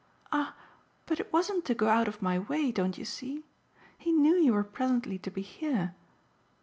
"Ah but it wasn't to go out of my way, don't you see? He knew you were presently to be here."